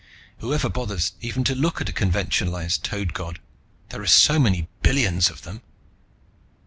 Whoever bothers even to look at a conventionalized Toad God? There are so many billions of them...."